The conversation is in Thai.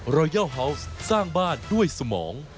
สวัสดีค่ะต้อนรับคุณบุษฎี